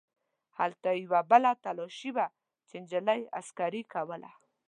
هلته یوه بله تلاشي وه چې نجلۍ عسکرې کوله.